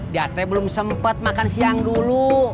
diatre belum sempet makan siang dulu